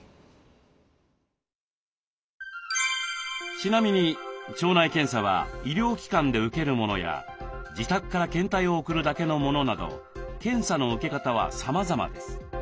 ちなみに腸内検査は医療機関で受けるものや自宅から検体を送るだけのものなど検査の受け方はさまざまです。